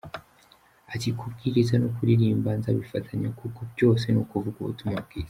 Ati “Kubwiriza no kuririmba nzabifatanya kuko byose ni ukuvuga ubutumwa bwiza.